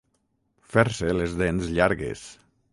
Fer-se les dents llargues.